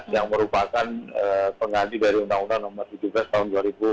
yang merupakan pengganti dari undang undang nomor tujuh belas tahun dua ribu tujuh belas